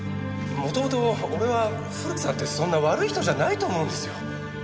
元々俺は古木さんってそんな悪い人じゃないと思うんですよ。